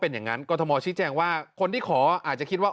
เป็นช่วงวันหยุด